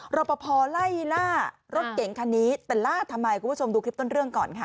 รอปภไล่ล่ารถเก่งคันนี้แต่ล่าทำไมคุณผู้ชมดูคลิปต้นเรื่องก่อนค่ะ